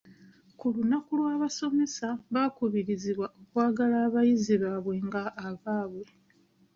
Ku lunaku lw'abasomesa baakubirizibwa okwagala abayizi baabwe nga abaabwe.